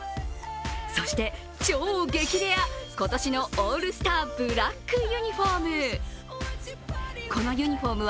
そして超激レア、今年のオールスター・ブラックユニフォーム。